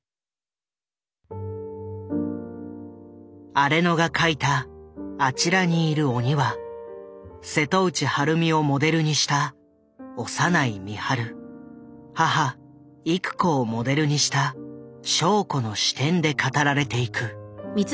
荒野が書いた「あちらにいる鬼」は瀬戸内晴美をモデルにした長内みはる母郁子をモデルにした笙子の視点で語られていく。